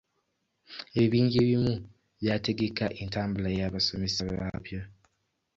Ebibinja ebimu by'ategeka entambula y'abasomesa baabyo.